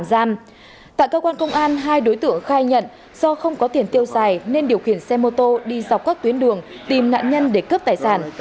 tại cơ quan công an hai đối tượng khai nhận do không có tiền tiêu xài nên điều khiển xe mô tô đi dọc các tuyến đường tìm nạn nhân để cướp tài sản